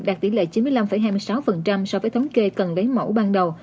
đạt tỷ lệ chín mươi năm hai mươi sáu so với thống kê cần lấy mẫu ban đầu